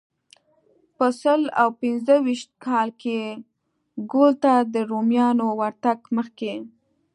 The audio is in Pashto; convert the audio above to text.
په سل او پنځه ویشت کال کې ګول ته د رومیانو ورتګ مخکې.